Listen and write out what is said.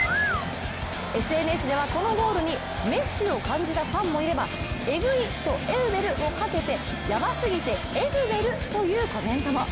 ＳＮＳでは、このゴールにメッシを感じたファンもいればエグいとエウベルをかけてやばすぎてエグベルというコメントも。